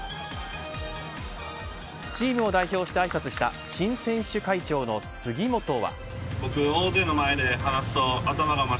チームを代表してあいさつした新選手会長の杉本は。